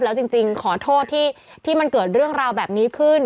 แล้วจริงขอโทษที่มันเกิดเรื่องราวแบบนี้ขึ้น